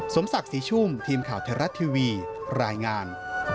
สมศักดิ์ศรีชุ่มทีมข่าวไทยรัฐทีวีรายงาน